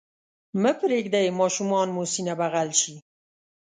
مه پرېږدئ ماشومان مو سینه بغل شي.